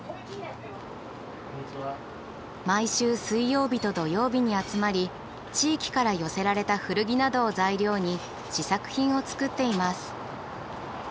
毎週水曜日と土曜日に集まり地域から寄せられた古着などを材料に試作品を作っています。